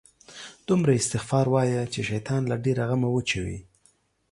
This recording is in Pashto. دومره استغفار وایه، چې شیطان له ډېره غمه وچوي